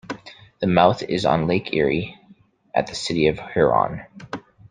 The mouth is on Lake Erie at the city of Huron.